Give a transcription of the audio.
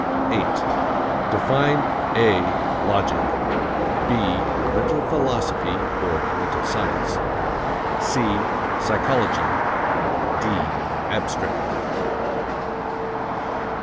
8. Define (a) logic; (b) mental philosophy (or mental science); (c) psychology; (d) abstract.